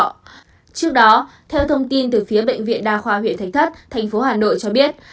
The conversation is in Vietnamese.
trước đó theo thông tin từ phía bệnh viện đa khoa huyện thạch thất thành phố hà nội cho biết